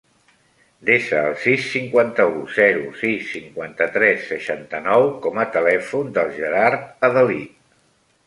Desa el sis, cinquanta-u, zero, sis, cinquanta-tres, seixanta-nou com a telèfon del Gerard Adalid.